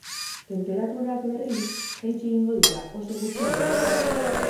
Tenperaturak, berriz, jaitsi egingo dira, oso gutxi bada ere.